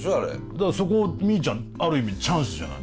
だからそこみーちゃんある意味チャンスじゃない。